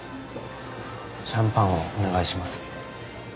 シャンパンをお願いします。